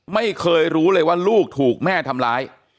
ไม่เคยรู้เลยว่าลูกถูกแม่ทำร้าย